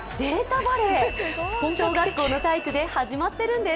バレーが小学校の体育で始まっているんです。